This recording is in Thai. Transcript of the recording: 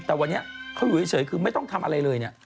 แต่วันนี้เขาอยู่เฉยคือไม่ต้องทำอะไรเลยเนี่ย